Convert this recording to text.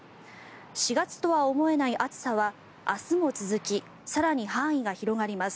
４月とは思えない暑さは明日も続き更に範囲が広がります。